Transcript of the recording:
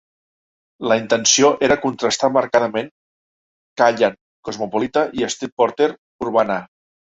La intenció era contrastar marcadament Callan, cosmopolita, i Street-Porter, urbana.